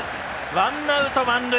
ワンアウト、満塁。